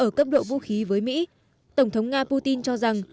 ở cấp độ vũ khí với mỹ tổng thống nga putin cho rằng